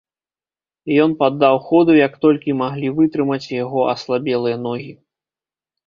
Ён паддаў ходу як толькі маглі вытрымаць яго аслабелыя ногі.